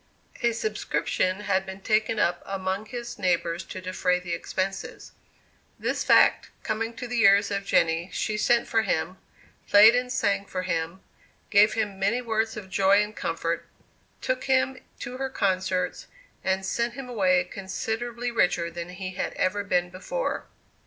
A subscription had been taken up among his neighbors to defray the expenses. This fact coming to the ears of Jenny, she sent for him, played and sang for him, gave him many words of joy and comfort, took him to her concerts, and sent him away considerably richer than he had ever been before.